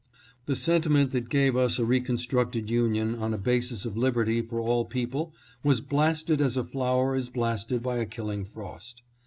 The sentiment that gave us a reconstructed Union on a basis of liberty for all people was blasted as a flower is blasted by a killing frost.